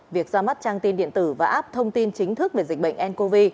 việc ra mắt trang tin điện tử và app thông tin chính thức về dịch bệnh ncov